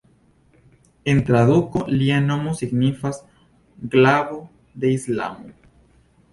En traduko lia nomo signifas "glavo de Islamo".